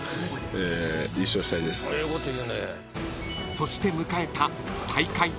［そして迎えた］